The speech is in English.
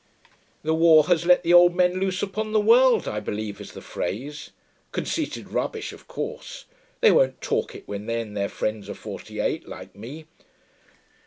'The war has let the old men loose upon the world,' I believe is the phrase. Conceited rubbish, of course. They won't talk it when they and their friends are forty eight, like me.